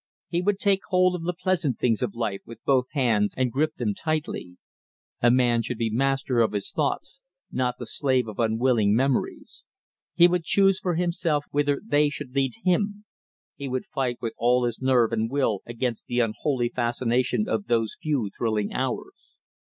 He would take hold of the pleasant things of life with both hands, and grip them tightly. A man should be master of his thoughts, not the slave of unwilling memories. He would choose for himself whither they should lead him; he would fight with all his nerve and will against the unholy fascination of those few thrilling hours.